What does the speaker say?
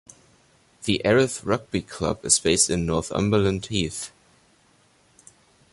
The Erith Rugby Club is based in Northumberland Heath.